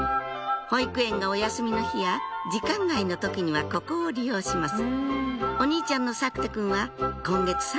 保育園がお休みの日や時間外の時にはここを利用します